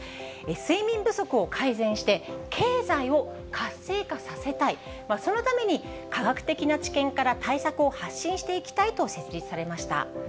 睡眠不足を改善して、経済を活性化させたい、そのために科学的な知見から対策を発信していきたいと設立されました。